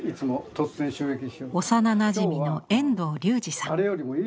幼なじみの遠藤隆二さん。